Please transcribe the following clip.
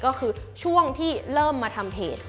ก็คือช่วงที่เริ่มมาทำเพจ